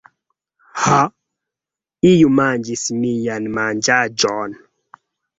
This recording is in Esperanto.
Ha, iu manĝis mian manĝaĵon!